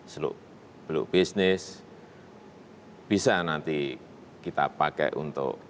seluruh blok bisnis bisa nanti kita pakai untuk